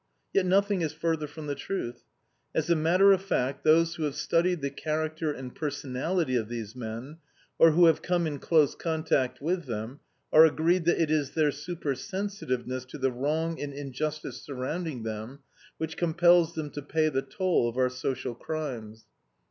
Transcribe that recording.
Yet nothing is further from the truth. As a matter of fact, those who have studied the character and personality of these men, or who have come in close contact with them, are agreed that it is their super sensitiveness to the wrong and injustice surrounding them which compels them to pay the toll of our social crimes.